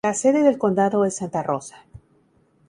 La sede del condado es Santa Rosa.